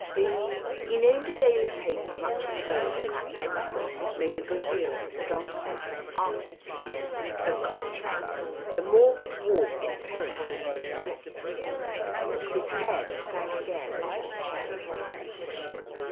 The" — he named a daily paper much in vogue at that time, "made a good deal of the strong sense of artistry — of contrast — the morbid warp inherent in the executant " His head sank again on his chest.